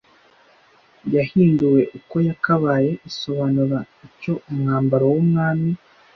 yahinduwe uko yakabaye isobanura icyo Umwambaro wumwami